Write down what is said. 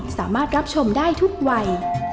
สามารถรับชมได้ทุกวัย